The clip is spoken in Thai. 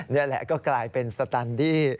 นี่แหละก็กลายเป็นสแตนดี้